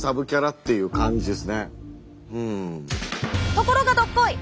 ところがどっこい！